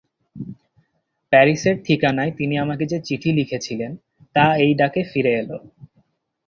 প্যারিসের ঠিকানায় তিনি আমাকে যে চিঠি লিখেছিলেন, তা এই ডাকে ফিরে এল।